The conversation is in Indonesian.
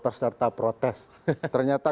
peserta protes ternyata